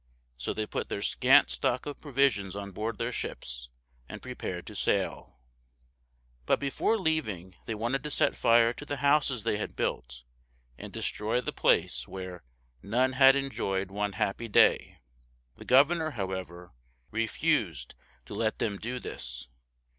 So they put their scant stock of provisions on board their ships, and prepared to sail. But before leaving they wanted to set fire to the houses they had built, and destroy the place where "none had enjoyed one happy day." The governor, however, refused to let them do this.